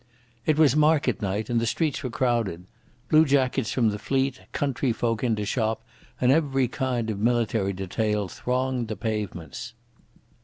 It was market night, and the streets were crowded. Blue jackets from the Fleet, country folk in to shop, and every kind of military detail thronged the pavements.